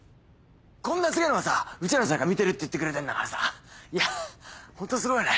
こんなすげぇのがさうちらの背中見てるって言ってくれてるんだからさいやホントにすごいよね。